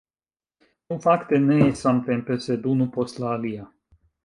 Nu, fakte ne samtempe, sed unu post la alia.